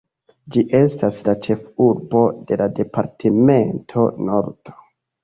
Ĝi estas la ĉefurbo de la Departemento Nordo.